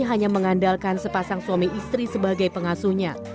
hanya mengandalkan sepasang suami istri sebagai pengasuhnya